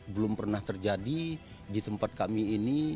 belum pernah terjadi di tempat kami ini